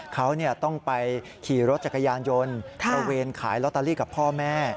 เขาต้องไปขี่รถจักรยานยนต์ตระเวนขายลอตเตอรี่กับพ่อแม่